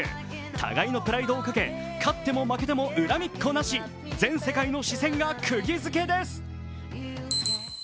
互いのプライドをかけ勝っても負けても恨みっこなし全世界の視線がくぎづけです。